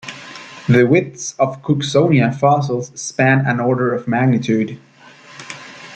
The widths of "Cooksonia" fossils span an order of magnitude.